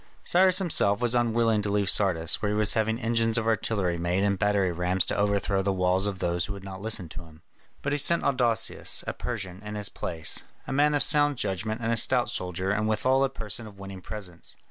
Cyrus himself was unwilling to leave Sardis, where he was having engines of artillery made and battering rams to overthrow the walls of those who would not listen to him. But he sent Adousius, a Persian, in his place, a man of sound judgment and a stout soldier and withal a person of winning presence.